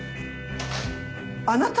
あなた。